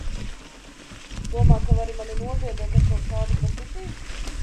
Domā, ka vari mani nobiedēt ar kaut kādu grafiti?